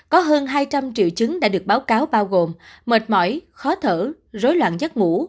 có hơn hai trăm linh triệu chứng đã được báo cáo bao gồm mệt mỏi khó thở rối loạn giấc ngủ